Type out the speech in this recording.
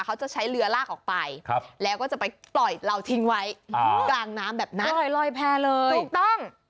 เขาจะใช้เรือลากออกไปแล้วก็จะปล่อยลาวทิ้งไว้ทางน้ำแบบนั้น